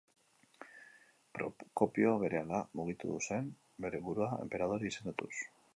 Prokopio, berehala mugitu zen, bere burua enperadore izendatuz.